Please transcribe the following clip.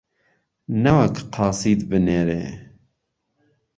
نەوەک قاسيد بنێرێ